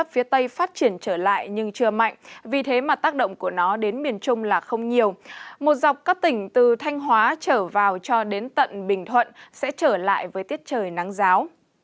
một dọc các tỉnh từ thanh hóa trở vào cho đến tận bình thuận sẽ trở lại với tiết trời nắng giáo